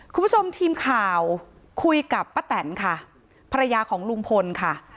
คุณผู้ชมทีมข่าวคุยกับป้าแตนค่ะภรรยาของลุงพลค่ะ